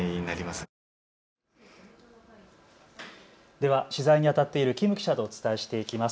では取材にあたっている金記者とお伝えしていきます。